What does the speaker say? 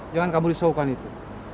jangan kamu risaukan itu